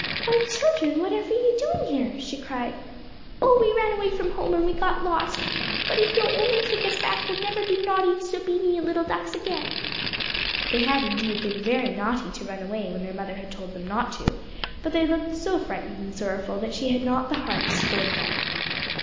"Why, children, whatever are you doing here?" she cried. "Oh, we ran away from home, and we got lost, but if you'll only take us back we'll never be naughty disobedient little ducks again." They had indeed been very naughty to run away when their mother had told them not to, but they looked so frightened and sorrowful that she had not the heart to scold them.